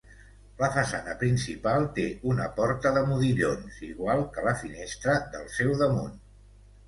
La façana principal té una porta de modillons, igual que la finestra del seu damunt.